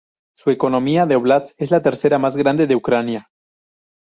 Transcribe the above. Su economía de óblast es la tercera más grande de Ucrania.